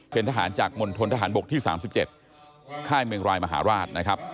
เป็นทหารจากมณฑนทหารบกที่๓๗ค่ายเมืองรายมหาราชนะครับ